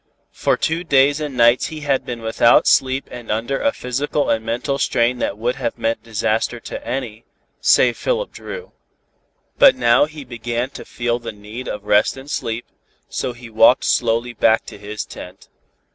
For two days and nights he had been without sleep and under a physical and mental strain that would have meant disaster to any, save Philip Dru. But now he began to feel the need of rest and sleep, so he walked slowly back to his tent.